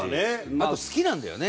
あと好きなんだよね